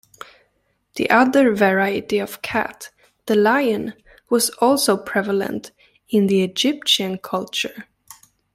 The other variety of cat, the lion, was also prevalent in Egyptian culture.